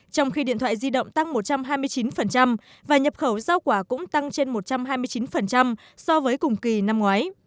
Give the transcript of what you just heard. trong khi điện thoại di động tăng một trăm hai mươi chín và nhập khẩu giao quả cũng tăng trên một trăm hai mươi chín so với cùng kỳ năm ngoái